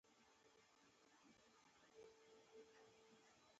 پرمختللي هېوادونه د ټکنالوژۍ له لارې تولید زیاتوي.